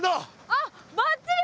あっばっちり！